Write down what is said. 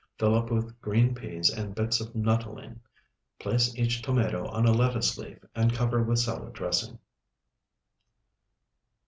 Fill up with green peas and bits of nuttolene. Place each tomato on a lettuce leaf, and cover with salad dressing.